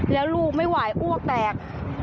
แล้วลูกไม่ไหวอ้วกแตก